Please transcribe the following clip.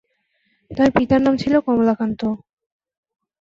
তার পিতার নাম ছিল কমলাকান্ত।